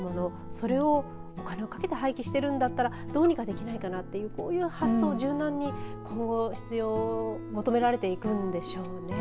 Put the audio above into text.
それをお金をかけて廃棄しているんだったらどうにかできないかというこういう発想を柔軟に求められていくんでしょうね。